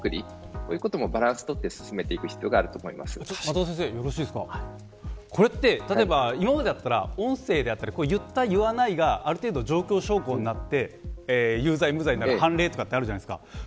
こういうこともバランスを取って進めていく必要があるとこれって、今までだったら言った、言わないがある程度状況証拠になって有罪や無罪になる判例になるとかあるじゃないですか。